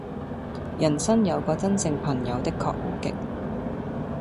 人生有個真正朋友的確好極